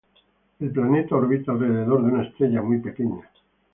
El planeta orbita alrededor de una estrella muy pequeña.